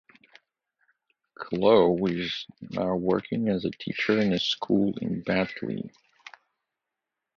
Clough is now working as a teacher in a school in Batley.